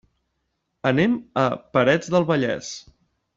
Anem a Parets del Vallès.